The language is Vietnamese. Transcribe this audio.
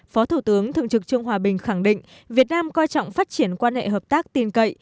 phó thủ tướng thượng trực trương hòa bình khẳng định việt nam coi trọng phát triển quan hệ hợp tác tin cậy